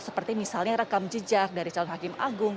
seperti misalnya rekam jejak dari calon hakim agung